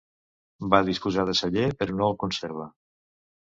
Va disposar de celler, però no el conserva.